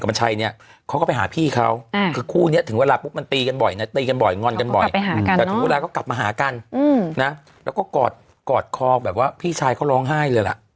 เขาก็ไปหากันนะอุ้นอ่ะแล้วก็กอดกอดคอแบบว่าพี่ชายเขาร้องไห้เลยแหละ